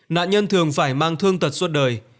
nạn nhân thường phải mang thương tật suốt đời